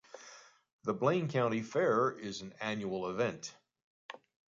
The Blaine County Fair is an annual event.